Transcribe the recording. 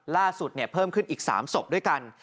ล่าสุดเนี่ยเพิ่มขึ้นอีก๓ศพด้วยกัน